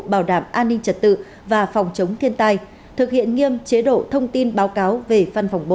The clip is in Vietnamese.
bảo đảm an ninh trật tự và phòng chống thiên tai thực hiện nghiêm chế độ thông tin báo cáo về văn phòng bộ